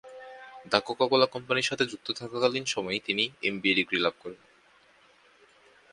The Coca-Cola কোম্পানির সাথে যুক্ত থাকাকালীন সময়েই তিনি এমবিএ ডিগ্রি লাভ করেন।